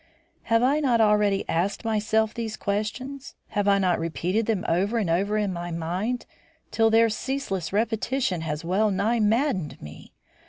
"Have I not already asked myself these questions? Have I not repeated them over and over in my own mind till their ceaseless repetition has well nigh maddened me?